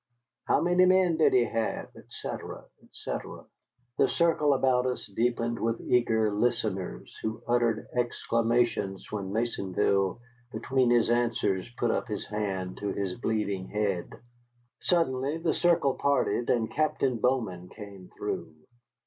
How many men did he have, etc., etc.? The circle about us deepened with eager listeners, who uttered exclamations when Maisonville, between his answers, put up his hand to his bleeding head. Suddenly the circle parted, and Captain Bowman came through.